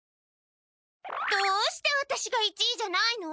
どうしてワタシが一位じゃないの？